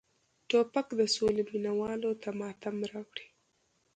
توپک د سولې مینه والو ته ماتم راوړي.